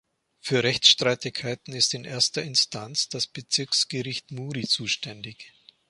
Für Rechtsstreitigkeiten ist in erster Instanz das Bezirksgericht Muri zuständig.